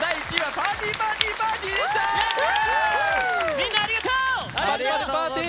みんなありがとう！